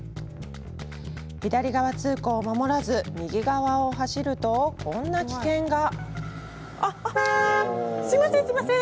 左側通行を守らず右側を走るとこんな危険が。